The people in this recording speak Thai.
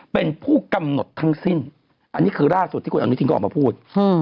เป็นผู้กำหนดทั้งสิ้นอันนี้คือล่าสุดที่คุณอนุทินก็ออกมาพูด